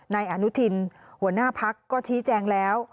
นายอนุทินหัวหน้าพักก็ชี้แจงแล้ว